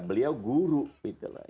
beliau guru gitu lah